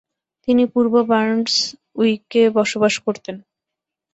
তিনি পূর্ব বার্নসউইকে বসবাস করতেন।